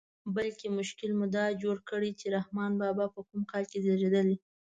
بلکې مشکل مو دا جوړ کړی چې رحمان بابا په کوم کال زېږېدلی.